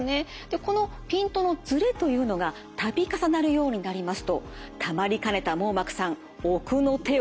このピントのずれというのが度重なるようになりますとたまりかねた網膜さん奥の手を使います。